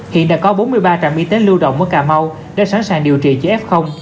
hiện đã có bốn mươi ba trạm y tế lưu động ở cà mau đã sẵn sàng điều trị cho f